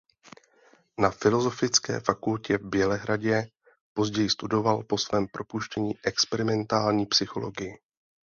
Na filozofické fakultě v Bělehradě později studoval po svém propuštění experimentální psychologii.